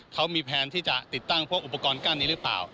เขามีแพลนที่จะติดตั้งพวกอุปกรณ์กั้นนี้หรือเปล่า